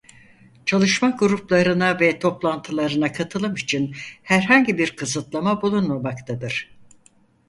Çalışma gruplarına ve toplantılarına katılım için herhangi bir kısıtlama bulunmamaktadır.